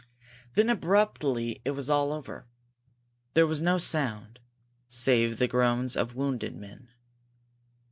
Then abruptly it was all over. There was no sound save the groans of wounded men.